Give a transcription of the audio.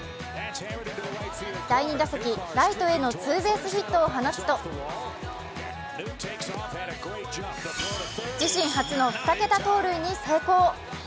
第２打席、ライトへのツーベースヒットを放つと自身初の２桁盗塁に成功。